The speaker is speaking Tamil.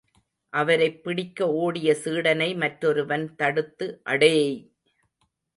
அவரைப் பிடிக்க ஒடிய சீடனை மற்றொருவன் தடுத்து, அடேய்!